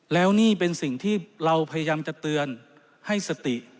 แล้วนี่เป็นสิ่งที่เราพยายามจะเตือนให้สติ